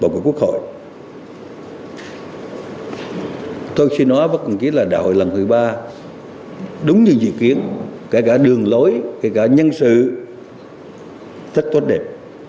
thưa quý vị tôi xin nói với quý vị là đạo hội lần thứ ba đúng như dự kiến kể cả đường lối kể cả nhân sự rất tốt đẹp